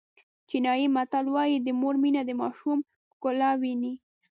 چینایي متل وایي د مور مینه د ماشوم ښکلا ویني.